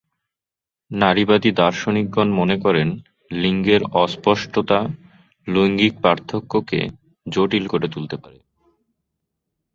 নারীবাদী দার্শনিকগণ মনে করেন লিঙ্গের অস্পষ্টতা লৈঙ্গিক পার্থক্যকে জটিল করে তুলতে পারে।